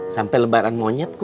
sampai lebaran monyet kum